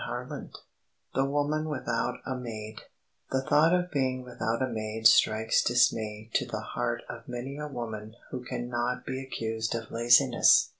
CHAPTER XXXVIII THE WOMAN WITHOUT A MAID THE thought of being without a maid strikes dismay to the heart of many a woman who can not be accused of laziness.